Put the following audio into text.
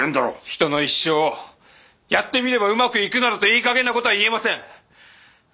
人の一生をやってみればうまくいくなどといい加減な事は言えません！